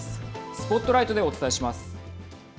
ＳＰＯＴＬＩＧＨＴでお伝えします。